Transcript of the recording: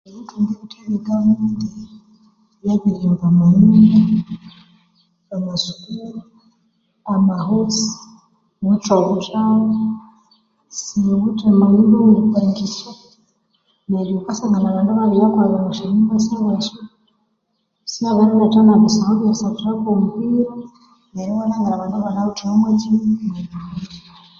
Ebithunga ebithe ebye government byabiri himba amanyumba, amasukuru, amahosi, siwithe amanyumba aweripangisya neryo wukasangana abandu ibabiriyakolera omwa sya nyumba syabo esyo, babiriletha nebisaho ebyerisathirako omupira, neryo iwalhangira abandu mwobuyithawa obwaki? Obwesyasente.